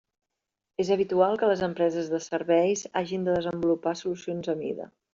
És habitual que les empreses de serveis hagin de desenvolupar solucions a mida.